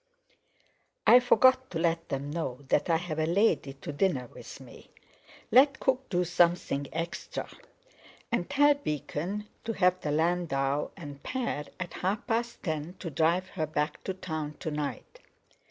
"I forgot to let them know that I have a lady to dinner with me. Let cook do something extra, and tell Beacon to have the landau and pair at half past ten to drive her back to Town to night.